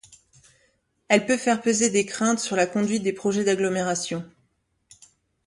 Elle peut faire peser des craintes sur la conduite des projets d’agglomération.